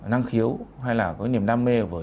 năng khiếu hay là có niềm đam mê